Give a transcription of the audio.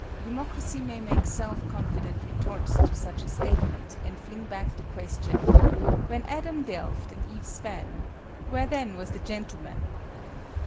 Democracy may make self confident retorts to such a statement and fling back the question—"When Adam delved and Eve span, where then was the gentleman?"